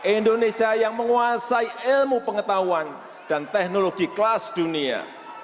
indonesia yang menguasai ilmu pengetahuan dan teknologi kelas dunia